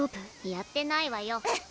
やってないわよ